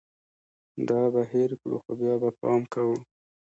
دا به هېر کړو ، خو بیا به پام کوو